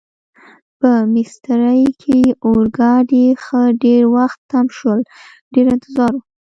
په میسترې کې اورګاډي ښه ډېر وخت تم شول، ډېر انتظار و.